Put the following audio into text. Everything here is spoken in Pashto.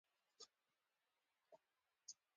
ماموریت تر دې ډېر پراخ دی.